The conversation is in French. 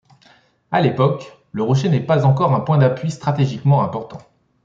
À l'époque, le rocher n'est pas encore un point d'appui stratégiquement important.